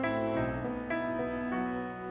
kau mau ngapain